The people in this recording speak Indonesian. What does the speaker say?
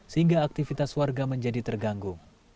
sehingga aktivitas warga menjadi terganggu